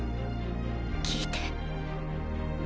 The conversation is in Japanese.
聞いて。